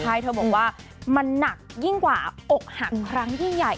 ใช่เธอบอกว่ามันหนักยิ่งกว่าอกหักครั้งยิ่งใหญ่